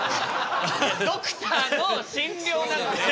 ドクターの診療なんで。